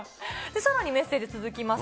さらに、メッセージ続きます。